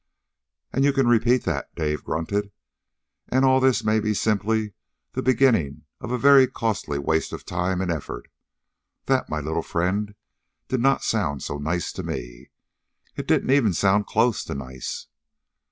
"And you can repeat that!" Dave grunted. "And all this may be simply the beginning of a very costly waste of time and effort. That, my little friend, did not sound so nice to me. It didn't even sound close to nice."